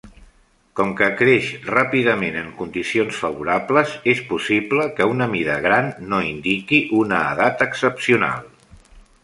Com que creix ràpidament en condicions favorables, és possible que una mida gran no indiqui una edat excepcional.